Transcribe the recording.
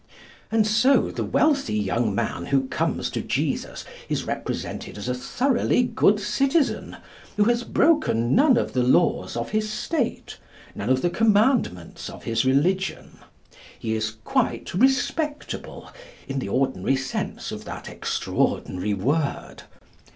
And so the wealthy young man who comes to Jesus is represented as a thoroughly good citizen, who has broken none of the laws of his state, none of the commandments of his religion. He is quite respectable, in the ordinary sense of that extraordinary word.